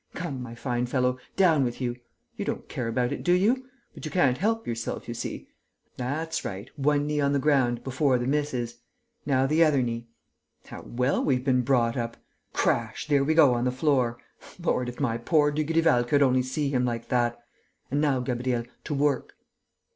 Come, my fine fellow, down with you! You don't care about it, do you? But you can't help yourself, you see. That's right: one knee on the ground, before the missus ... now the other knee.... How well we've been brought up!... Crash, there we go on the floor! Lord, if my poor Dugrival could only see him like that!... And now, Gabriel, to work!"